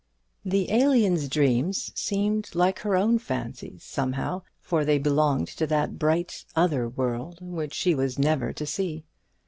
The Alien's dreams seemed like her own fancies, somehow; for they belonged to that bright other world which she was never to see.